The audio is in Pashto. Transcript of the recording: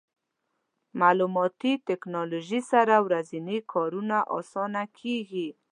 مالوماتي ټکنالوژي سره ورځني کارونه اسانه کېږي.